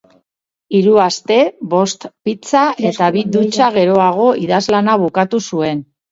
Hiru aste, bost pizza eta bi dutxa geroago idazlana bukatu zuen.